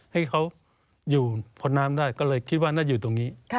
ให้เขาอยู่พ้นน้ำได้ก็เลยคิดว่าน่าอยู่ตรงนี้